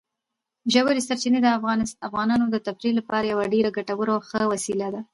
ژورې سرچینې د افغانانو د تفریح لپاره یوه ډېره ګټوره او ښه وسیله ده.